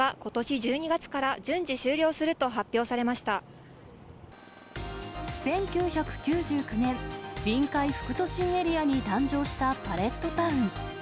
１９９９年、臨海副都心エリアに誕生したパレットタウン。